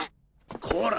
コラ！